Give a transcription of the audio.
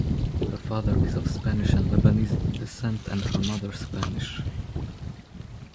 Her father is of Spanish and Lebanese descent and her mother, Spanish.